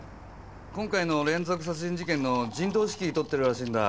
今回の連続殺人事件の陣頭指揮をとってるらしいんだ。